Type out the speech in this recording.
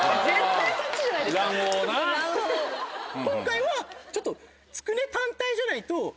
今回はちょっとつくね単体じゃないと。